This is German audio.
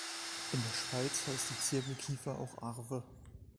In der Schweiz heißt die Zirbelkiefer auch Arve.